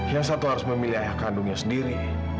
yang satu harus memilih ayah kandungnya sendiri